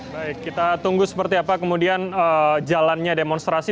baik kita tunggu seperti apa kemudian jalannya demonstrasi